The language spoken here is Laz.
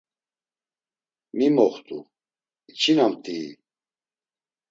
“Mi moxt̆u? İçinamt̆ii?”